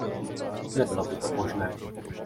Nebylo by to možné.